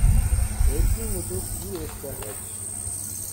Эрлийн үзүүрт юу эс байх аж.